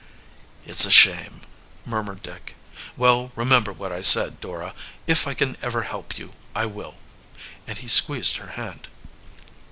"It's a shame," murmured Dick. "Well, remember what I said, Dora, if I can ever help you I will." And he squeezed her hand.